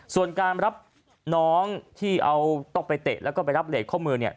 ส่วนการรับน้องที่เอาต้องไปเตะแล้วก็ไปรับเหล็กข้อมือเนี่ย